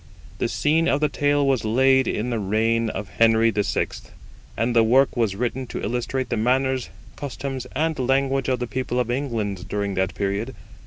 The scene of the tale was laid in the reign of Henry VI, and the work was written to illustrate the manners, customs, and language of the people of England during that period.